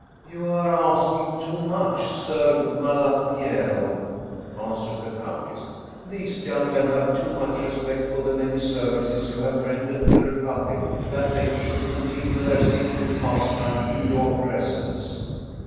" You are asking too much, Ser Malapiero," answered the countess. " These young men have too much respect for the many services you have rendered the Republic that they should continue their sinful pastime in your presence."